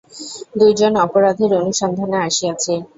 দুই জন অপরাধীর অনুসন্ধানে আসিয়াছি।